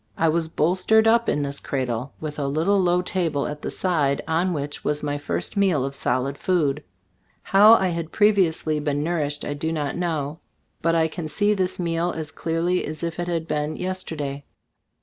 I was bolstered up in this cradle, with a little low table at the side on which was my first meal of solid food. How I had previously been nourished I do not know, but I s < Gbe StotE of As Cbtt&boofc 37 can see this meal as clearly as if it had been yesterday.